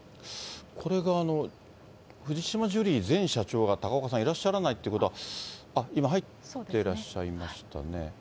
これが藤島ジュリー前社長が、高岡さん、いらっしゃらないということは、今、入っていらっしゃいましたね。